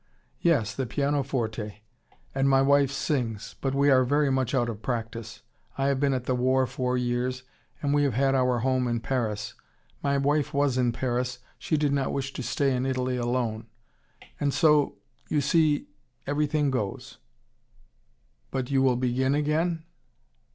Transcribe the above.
"Yes the pianoforte. And my wife sings. But we are very much out of practice. I have been at the war four years, and we have had our home in Paris. My wife was in Paris, she did not wish to stay in Italy alone. And so you see everything goes " "But you will begin again?"